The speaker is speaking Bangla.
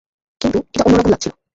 কিন্তু, এটা অন্যরকম লাগছিল।